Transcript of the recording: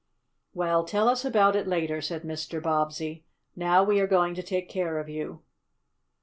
"Well, tell us about it later," said Mr. Bobbsey. "Now we are going to take care of you."